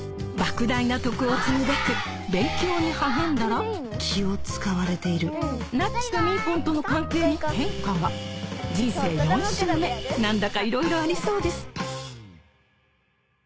莫大な徳を積むべく勉強に励んだら気を使われているなっちとみーぽんとの関係に変化が人生４周目何だかいろいろありそうです・こんにちは！